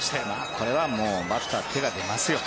これはバッター手が出ますよ。